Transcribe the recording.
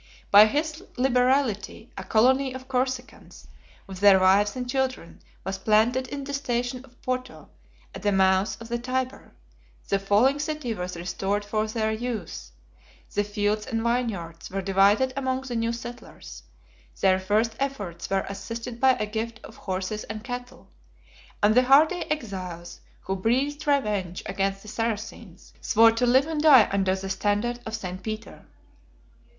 89 By his liberality, a colony of Corsicans, with their wives and children, was planted in the station of Porto, at the mouth of the Tyber: the falling city was restored for their use, the fields and vineyards were divided among the new settlers: their first efforts were assisted by a gift of horses and cattle; and the hardy exiles, who breathed revenge against the Saracens, swore to live and die under the standard of St. Peter.